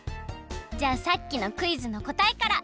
じゃあさっきのクイズのこたえから。